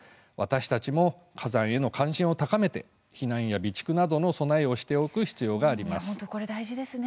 私たちも火山への関心を高めて避難や備蓄などの備えをしておく必要があります。